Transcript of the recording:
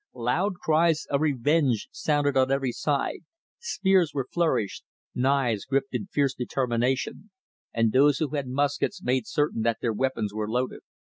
Loud cries of revenge sounded on every side, spears were flourished, knives gripped in fierce determination, and those who had muskets made certain that their weapons were loaded.